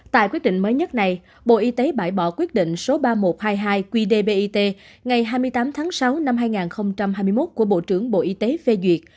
tại quyết định mới nhất này bộ y tế bãi bỏ quyết định số ba nghìn một trăm hai mươi hai qdbit ngày hai mươi tám tháng sáu năm hai nghìn hai mươi một của bộ trưởng bộ y tế phê duyệt